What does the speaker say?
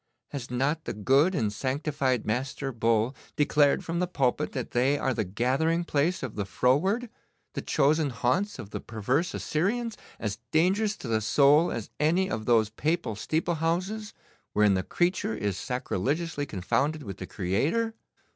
Has not the good and sanctified Master Bull declared from the pulpit that they are the gathering place of the froward, the chosen haunts of the perverse Assyrians, as dangerous to the soul as any of those Papal steeple houses wherein the creature is sacrilegiously confounded with the Creator?